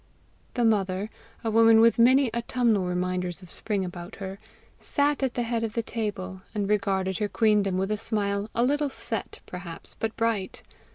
The mother, a woman with many autumnal reminders of spring about her, sat at the head of the table, and regarded her queendom with a smile a little set, perhaps, but bright.